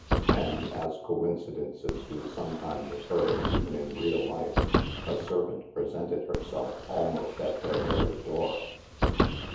And, as coincidences do sometimes occur even in real life, a servant presented herself almost at their very door.